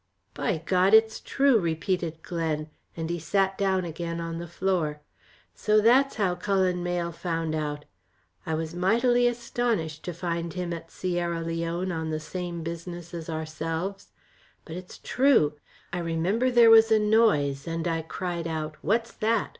"By God it's true," repeated Glen, and he sat down again on the floor. "So that's how Cullen Mayle found out. I was mightily astonished to find him at Sierra Leone on the same business as ourselves. But it's true. I remember there was a noise, and I cried out, 'What's that?'